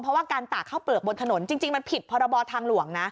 เพราะว่าการตากข้าวเปลือกบนถนนจริงมันผิดพรบทางหลวงนะ